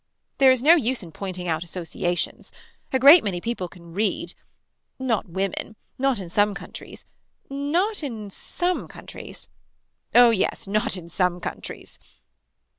There is no use in pointing out associations. A great many people can read. Not women. Not in some countries. Not in some countries. Oh yes not in some countries.